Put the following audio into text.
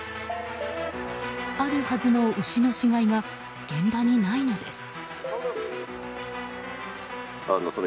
あるはずの牛の死骸が現場にないのです。